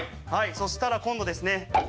そしたら今度ですね